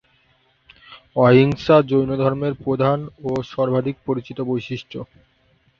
অহিংসা জৈনধর্মের প্রধান ও সর্বাধিক পরিচিত বৈশিষ্ট্য।